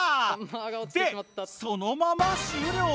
でそのまま終了。